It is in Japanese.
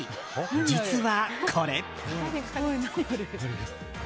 実はこれ。